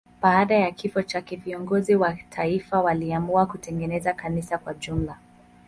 Baada ya kifo chake viongozi wa taifa waliamua kutengeneza kanisa kwa jumla.